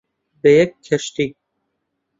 بە یەک کەشتی،